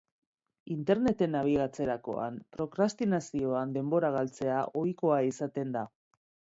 Interneten nabigatzerakoan, prokrastinazioan denbora galtzea ohikoa izaten da.